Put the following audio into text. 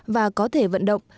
và có thể vận động